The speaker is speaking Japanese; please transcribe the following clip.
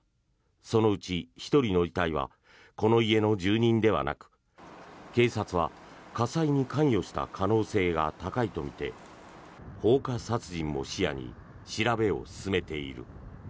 そのうち１人の遺体はこの家の住人ではなく警察は火災に関与した可能性が高いとみて放火殺人も視野に調べを進めている。